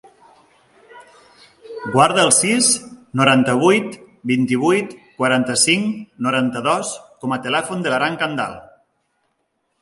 Guarda el sis, noranta-vuit, vint-i-vuit, quaranta-cinc, noranta-dos com a telèfon de l'Aran Candal.